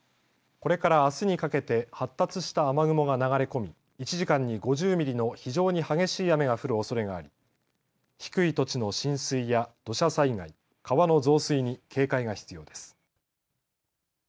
これからあすにかけて発達した雨雲が流れ込み１時間に５０ミリの非常に激しい雨が降るおそれがあり低い土地の浸水や土砂災害、川の増水に警戒が必要です。